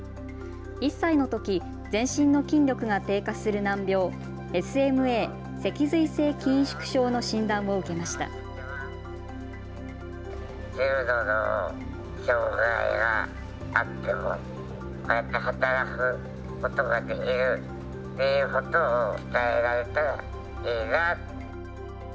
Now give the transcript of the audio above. １歳のとき全身の筋力が低下する難病、ＳＭＡ・脊髄性筋萎縮症の診断を受けました。